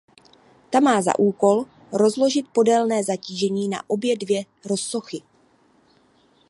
Ta má za úkol rozložit podélné zatížení na obě dvě rozsochy.